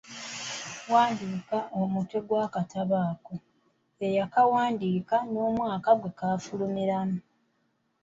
Wandiika omutwe gw'akatabo ako, eyakawandiika n'omwaka gwe kaafulumiramu.